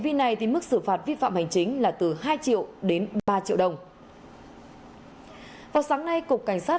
vì này thì mức xử phạt vi phạm hành chính là từ hai triệu đến ba triệu đồng vào sáng nay cục cảnh sát